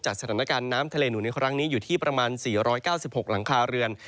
สถานการณ์น้ำทะเลหนุนในครั้งนี้อยู่ที่ประมาณ๔๙๖หลังคาเรือน